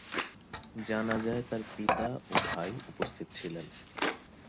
জানাজায় তার পিতা ও ভাই উপস্থিত ছিলেন।